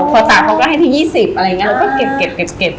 พอตากเขาก็ให้ที่๒๐อะไรอย่างนี้เขาก็เก็บ